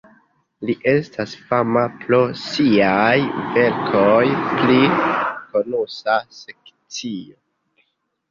Li estas fama pro siaj verkoj pri konusa sekcio.